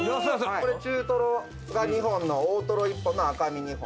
これ中トロが２本の大トロ１本の赤身２本。